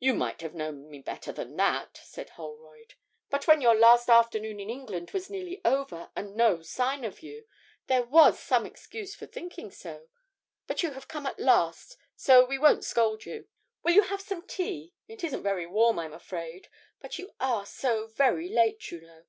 'You might have known me better than that,' said Holroyd. 'But when your last afternoon in England was nearly over and no sign of you, there was some excuse for thinking so; but you have come at last, so we won't scold you. Will you have some tea? It isn't very warm, I'm afraid, but you are so very late, you know.